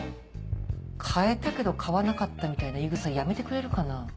買えたけど買わなかったみたいな言い草やめてくれるかな。